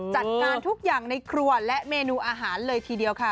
จัดการทุกอย่างในครัวและเมนูอาหารเลยทีเดียวค่ะ